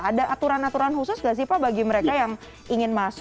ada aturan aturan khusus nggak sih pak bagi mereka yang ingin masuk